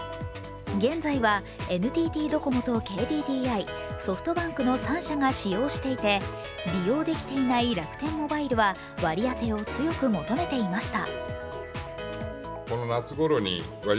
現在はＮＴＴドコモとＫＤＤＩ、、ソフトバンクの３社が利用していて利用できていない楽天モバイルは割り当てを強く求めていました。